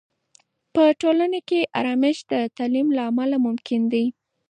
په ټولنه کې آرامش د تعلیم له امله ممکن دی.